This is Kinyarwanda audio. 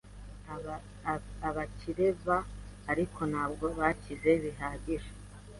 Abakire ba , ariko ntabwo bakize bihagije.